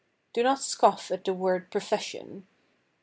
Do not scoff at the word "profession."